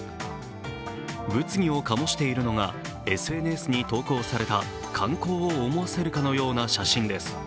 物議を醸しているのが、ＳＮＳに投稿された観光を思わせるかのような写真です。